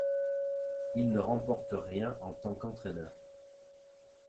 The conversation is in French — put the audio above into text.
Il ne remporte rien en tant qu'entraîneur.